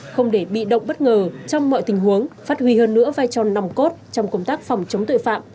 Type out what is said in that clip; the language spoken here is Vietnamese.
không để bị động bất ngờ trong mọi tình huống phát huy hơn nữa vai trò nòng cốt trong công tác phòng chống tội phạm